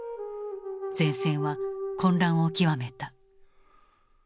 前線は混乱を極めた。